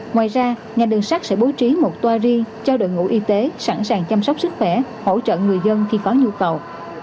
ngoài ra ngành đường sắt sẽ bố trí một toa riêng cho đội ngũ y tế sẵn sàng chăm sóc sức khỏe hỗ trợ người dân khi có nhu cầu